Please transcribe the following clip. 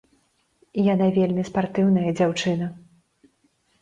Яна вельмі спартыўная дзяўчына.